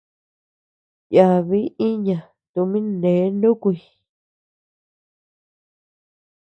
Yabi iña tumin nee nukuy.